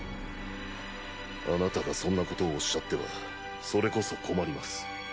貴方がそんなことをおっしゃってはそれこそ困ります。